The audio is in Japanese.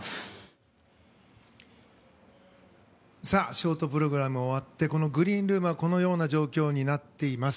ショートプログラムが終わってこのグリーンルームはこのような状況になっています。